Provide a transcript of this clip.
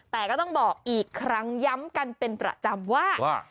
แต่ก็ต้องบอกอีกครั้งย้ำกันเป็นประจำว่า